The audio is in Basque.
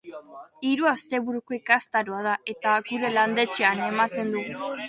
Hiru asteburuko ikastaroa da, eta gure landetxean ematen dugu.